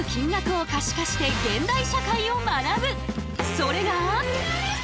それが。